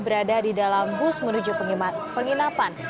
berada di dalam bus menuju penginapan